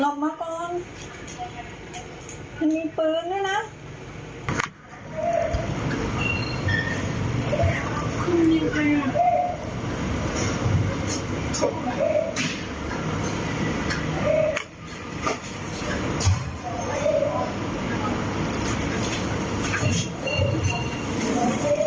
รอบมาก่อนยังมีเปลืองด้วยนะ